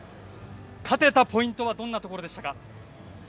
勝てたポイントはどんなところでしたか？